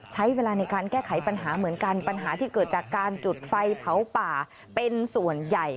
ใช้เวลาในการแก้ไขปัญหาเหมือนกันปัญหาที่เกิดจากการจุดไฟเผาป่าเป็นส่วนใหญ่